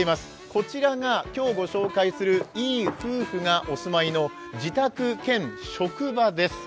こちらが今日ご紹介するいい夫婦がお住まいの自宅兼職場です。